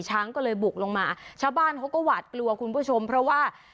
ช้างก็เลยบุกลงมาชาวบ้านเขาก็หวาดกลัวคุณผู้ชมเพราะว่า